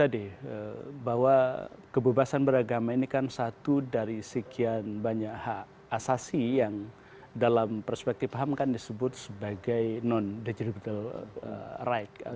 tadi bahwa kebebasan beragama ini kan satu dari sekian banyak hak asasi yang dalam perspektif ham kan disebut sebagai non digital rights